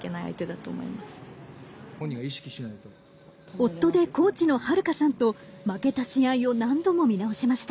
夫でコーチの悠さんと負けた試合を何度も見直しました。